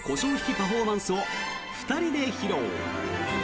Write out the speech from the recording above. パフォーマンスを２人で披露。